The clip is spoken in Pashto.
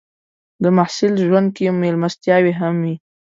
د محصل ژوند کې مېلمستیاوې هم وي.